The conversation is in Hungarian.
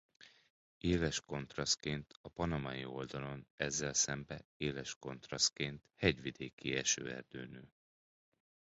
Éles kontrasztként a panamai oldalon ezzel szemben éles kontrasztként hegyvidéki esőerdő nő.